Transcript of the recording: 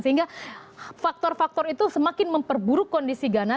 sehingga faktor faktor itu semakin memperburuk kondisi ghana